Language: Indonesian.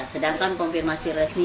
sedangkan konfirmasi resmi